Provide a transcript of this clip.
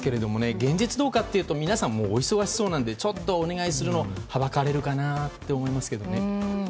現実はどうかというと皆さん、お忙しそうなのでちょっとお願いするのははばかられるかなと思いますね。